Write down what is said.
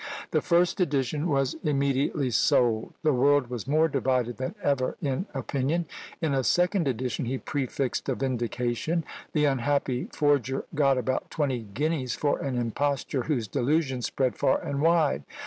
The first edition was immediately sold; the world was more divided than ever in opinion; in a second edition he prefixed a vindication! the unhappy forger got about twenty guineas for an imposture, whose delusion spread far and wide!